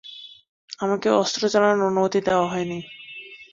আমাকে অস্ত্র চালানোর অনুমতি দেওয়া হয়নি।